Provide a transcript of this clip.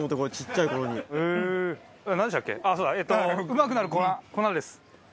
うまくなる粉粉です。